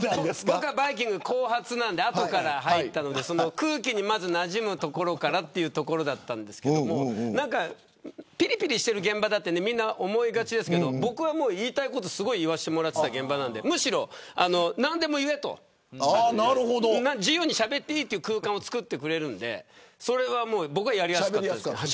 僕はバイキング後発なんで後から入ったので空気になじむところからだったんですけどぴりぴりしていると思いがちですけど僕は言いたいことを言わせてもらっていた現場なので自由にしゃべっていいという空間をつくってくれるんで僕はやりやすかったです。